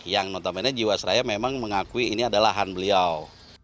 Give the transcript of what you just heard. yang notamennya jiwasraya memang mengakui ini adalah han beliau